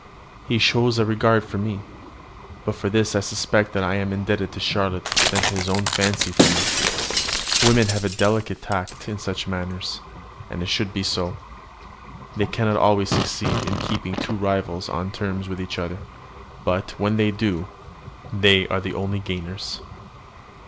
He shows a regard for me, but for this I suspect I am more indebted to Charlotte than to his own fancy for me. Women have a delicate tact in such matters, and it should be so. They cannot always succeed in keeping two rivals on terms with each other; but, when they do, they are the only gainers.